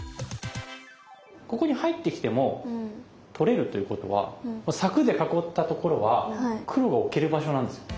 ここに入ってきても取れるということは柵で囲ったところは黒が置ける場所なんですよ。